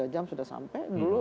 tiga jam sudah sampai